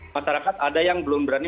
masyarakat ada yang belum berani